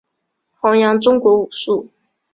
宏杨中国武术。